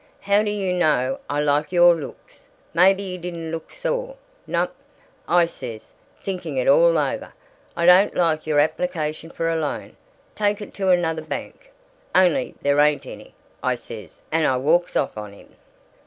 'How do you know I like YOUR looks?' Maybe he didn't look sore! 'Nope,' I says, thinking it all over, 'I don't like your application for a loan. Take it to another bank, only there ain't any,' I says, and I walks off on him.